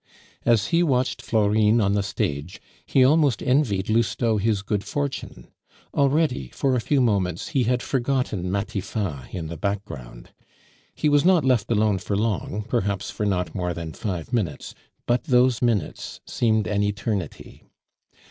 As he watched Florine on the stage he almost envied Lousteau his good fortune; already, for a few moments he had forgotten Matifat in the background. He was not left alone for long, perhaps for not more than five minutes, but those minutes seemed an eternity.